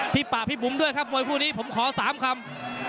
ป่าพี่บุ๋มด้วยครับมวยคู่นี้ผมขอ๓คำ